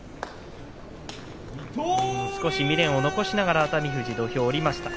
少し未練を残しながら熱海富士と土俵を降りました。